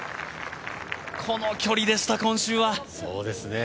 この距離でした、今週は。